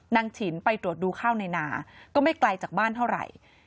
ฉินไปตรวจดูข้าวในนาก็ไม่ไกลจากบ้านเท่าไหร่